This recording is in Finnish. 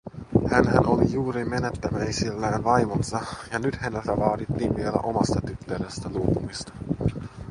Hänhän oli juuri menettämäisillään vaimonsa, ja nyt häneltä vaadittiin vielä omasta tyttärestä luopumista.